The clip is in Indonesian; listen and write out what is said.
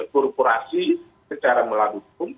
korporasi secara melalui hukum